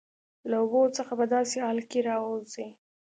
له اوبو څخه په داسې حال کې راوځي